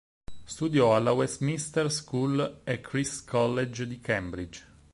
Studiò alla Westminster School e Christ's College di Cambridge.